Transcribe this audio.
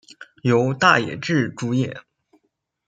由大野智主演。